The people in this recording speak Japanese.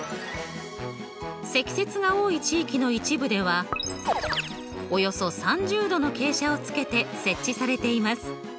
積雪が多い地域の一部ではおよそ３０°の傾斜をつけて設置されています。